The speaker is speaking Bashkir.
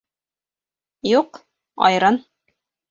— Юҡ, айран.